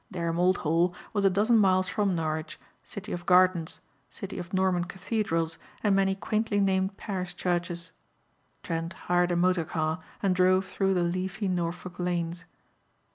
Dereham Old Hall was a dozen miles from Norwich, city of gardens, city of Norman cathedrals and many quaintly named parish churches. Trent hired a motor car and drove through the leafy Norfolk lanes.